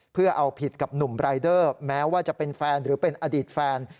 เพื่อเอาผิดกับหนุ่มรายเดอร์แม้ว่าจะเป็นแฟนหรือเป็นอดีตแฟน